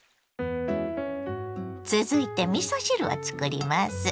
⁉続いてみそ汁をつくります。